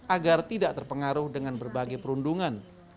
agar tidak terpengaruh dengan berbagai perundungan